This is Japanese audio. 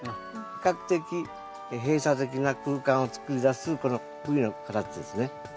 比較的閉鎖的な空間を作り出すこのＶの形ですね。